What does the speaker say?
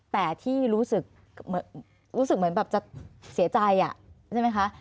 แต่ที่รู้สึกเหมือนแบบจะเสียใจใช่ไหมคะ